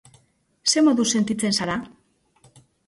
Zer moduz sentitzen zara?